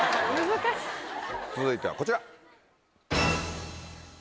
続いてはこちら！